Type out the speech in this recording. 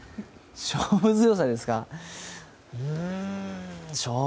勝負強さですかうーん。